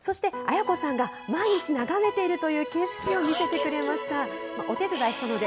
そして綾子さんが毎日眺めているという景色を見せてくれました。